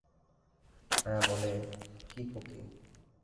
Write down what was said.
আয়া বলে, কী খোঁখী।